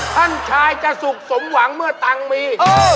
ท่านชายจะสุขสมหวังเมื่อตังค์มี